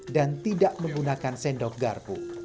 dan tidak menggunakan sendok garpu